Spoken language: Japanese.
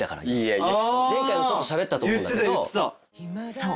そう！